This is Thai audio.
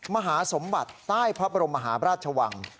มหาสมบัติใต้พระบรมมหาราชวัง